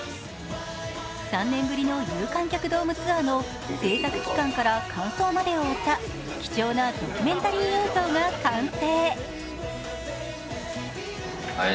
３年ぶりの有観客ドームツアーの製作期間から完走までを追った貴重なドキュメンタリー映画が完成。